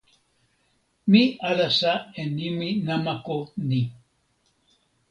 mi alasa e nimi namako ni.